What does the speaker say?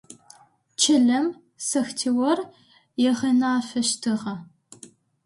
Чылэм сэхтеор ыгъэнафэщтыгъэ.